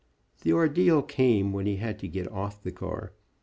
The ordeal came when he had to get off the car.